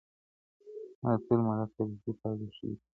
د طویل مدت پالیسۍ پایلې ښې دي.